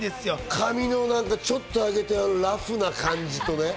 髪をちょっと上げてあるラフな感じとかね。